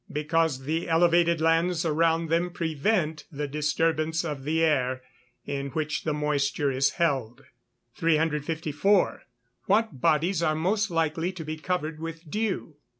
_ Because the elevated lands around them prevent the disturbance of the air in which the moisture is held. 354. _What bodies are most likely to be covered with dew?